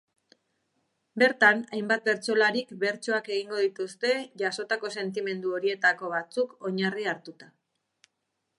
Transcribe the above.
Bertan, hainbat bertsolarik bertsoak egingo dituzte jasotako sentimendu horietako batzuk oinarri hartuta.